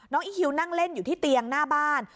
อีคิวนั่งเล่นอยู่ที่เตียงหน้าบ้าน